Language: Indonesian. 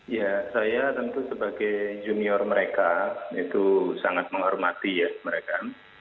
ya saya tentu sebagai junior mereka itu sangat menghormati ya mereka